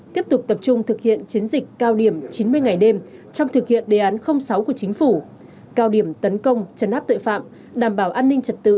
tiếp tục tập trung thực hiện chiến dịch cao điểm chín mươi ngày đêm trong thực hiện đề án sáu của chính phủ cao điểm tấn công chấn áp tội phạm đảm bảo an ninh trật tự